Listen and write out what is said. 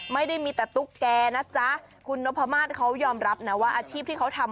ไม่ได้มีแต่ตุ๊กแกนะจ๊ะคุณนพมาศเขายอมรับนะว่าอาชีพที่เขาทำ